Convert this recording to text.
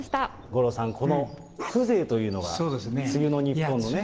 五郎さん、この風情というのが、梅雨の日本のね。